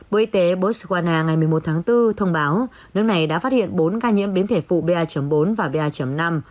bộ y tế botswana ngày một mươi một tháng bốn thông báo nước này đã phát hiện bốn ca nhiễm biến thể phụ ba bốn và ba năm